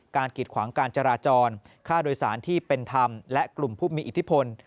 กิดขวางการจราจรค่าโดยสารที่เป็นธรรมและกลุ่มผู้มีอิทธิพล